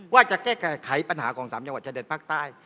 ว่าจะแก้ไขปัญหาของสามจังหวัดชะเด็นพักใต้